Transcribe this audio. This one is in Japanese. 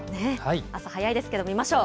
朝早いですけど見ましょう。